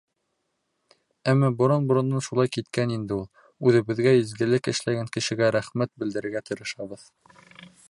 Әммә борон-борондан шулай киткән инде ул. Үҙебеҙгә изгелек эшләгән кешегә рәхмәт белдерергә тырышабыҙ.